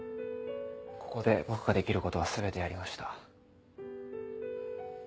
ここで僕ができることは全てやりました。